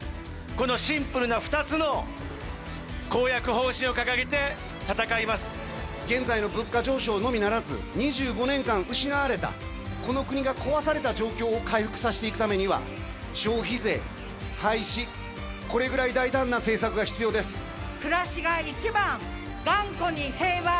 このシンプルな２つの公約、現在の物価上昇のみならず、２５年間失われた、この国が壊された状況を回復させていくためには、消費税廃止、暮らしが一番、がんこに平和。